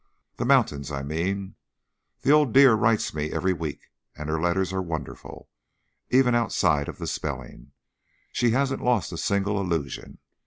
The mountains, I mean. The old dear writes me every week, and her letters are wonderful, even outside of the spelling. She hasn't lost a single illusion.